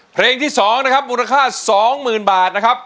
เพลงที่สองนะครับมูลค่าสองหมื่นบาทนะครับ